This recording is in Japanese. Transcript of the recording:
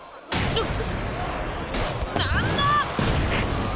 うっ！